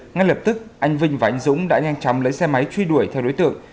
ngay lập tức anh vinh và anh dũng đã nhanh chóng lấy xe máy truy đuổi theo đối tượng